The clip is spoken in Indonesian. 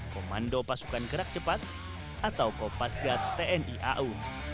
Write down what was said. komando pasukan gerak cepat atau kopasgat tni au